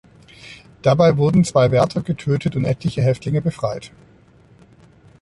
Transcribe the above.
Dabei wurden zwei Wärter getötet und etliche Häftlinge befreit.